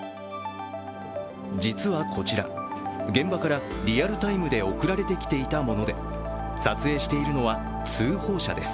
実はこちら、現場からリアルタイムで送られてきていたもので撮影しているのは通報者です。